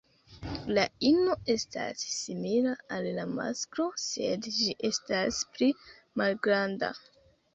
La ino estas simila al la masklo, sed ĝi estas pli malgranda.